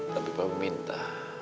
tapi aku minta